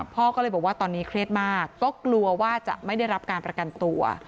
พ่อก็เลยบอกว่าตอนนี้เครียดมากก็กลัวว่าจะไม่ได้รับการประกันตัว